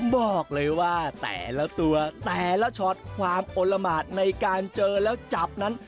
บอกเลยว่าแต่ละตัวแต่ละช็อตความโอละหมาดในการเจอแล้วจับนั้น